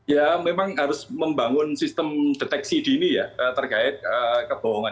ya memang harus membangun sistem deteksi dini ya terkait kebohongan